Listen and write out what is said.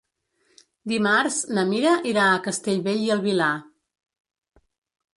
Dimarts na Mira irà a Castellbell i el Vilar.